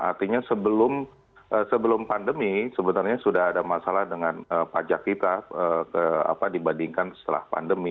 artinya sebelum pandemi sebenarnya sudah ada masalah dengan pajak kita dibandingkan setelah pandemi